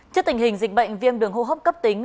trước tình hình dịch bệnh viêm đường hô hấp cấp tính